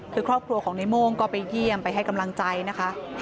คือครอบครัวของในโม่งก็ไปเยี่ยมไปให้กำลังใจนะคะ